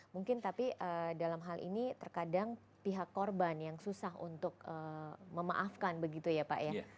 mungkin tapi dalam hal ini terkadang pihak korban yang susah untuk memaafkan begitu ya pak ya